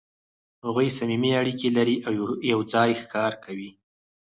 هغوی صمیمي اړیکې لري او یو ځای ښکار کوي.